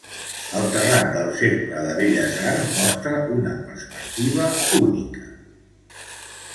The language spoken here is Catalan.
El terrat del Cercle de Belles Arts mostra una perspectiva única de Madrid.